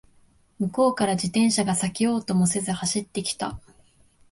向こうから自転車が避けようともせず走ってきた